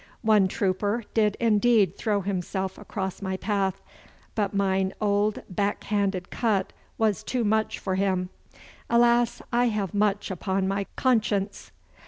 One trooper did indeed throw himself across my path, but mine old back handed cut was too much for him. Alas, I have much upon my conscience?